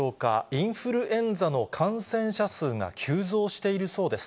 インフルエンザの感染者数が急増しているそうです。